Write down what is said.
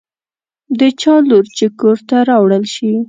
د چا لور چې کور ته راوړل شي.